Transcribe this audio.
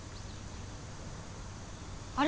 あれ？